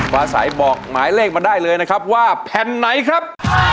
ปลาใสบอกหมายเลขมาได้เลยนะครับว่าแผ่นไหนครับ